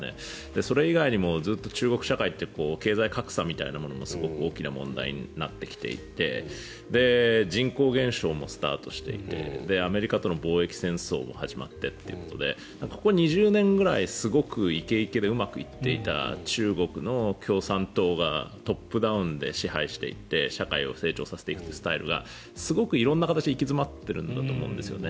それ以外にもずっと中国社会って経済格差みたいなものもすごく大きな問題になってきていて人口減少もスタートしていてアメリカとの貿易戦争も始まっていてというのでここ２０年ぐらいすごくイケイケでうまくいっていた中国の共産党がトップダウンで支配していて社会を成長させていくスタイルがすごく色んな形で行き詰まっているんだと思うんですね。